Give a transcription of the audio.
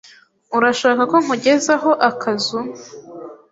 Urashaka ko nkugezaho akazu?